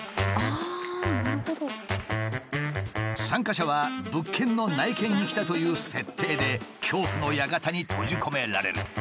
参加者は物件の内見に来たという設定で恐怖の館に閉じ込められる。